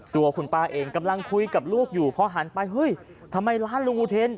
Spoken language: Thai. ตัวคุณป้าเองกำลังคุยกับลูกอยู่พอหันไปเฮ้ยทำไมร้านลุงอุเทน